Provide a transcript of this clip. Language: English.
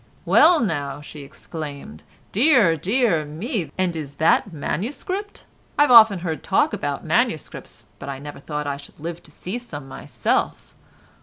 "Well now," she exclaimed, "dear, dear me, and is that manuscript? I've often heard talk about manuscripts, but I never thought I should live to see some myself.